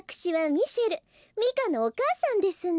ミカのおかあさんですの。